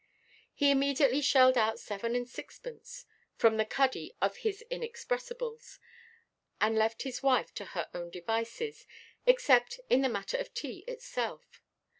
He immediately shelled out seven and sixpence from the cuddy of his inexpressibles, and left his wife to her own devices, except in the matter of tea itself.